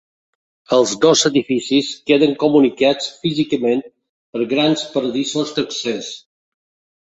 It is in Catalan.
Els dos edificis queden comunicats físicament per grans passadissos d'accés.